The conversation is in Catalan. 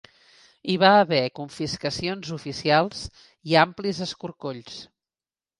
Hi va haver confiscacions oficials i amplis escorcolls.